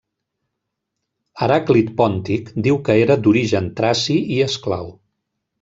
Heràclit Pòntic diu que era d'origen traci i esclau.